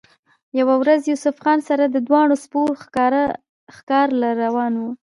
يوه ورځ يوسف خان سره د دواړو سپو ښکار له روان وۀ